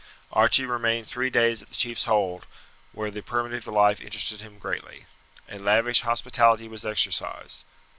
Archie remained three days at the chiefs hold, where the primitive life interested him greatly. A lavish hospitality was exercised.